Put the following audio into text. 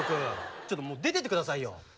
ちょっともう出てって下さいよ！